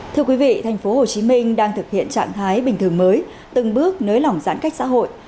thưa quý vị tp hcm đang thực hiện trạng thái bình thường mới từng bước nới lỏng giãn cách xã hội